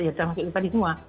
ya tadi semua